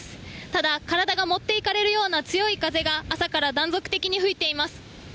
ただ、体が持っていかれるような強い風が朝から断続的に吹いています。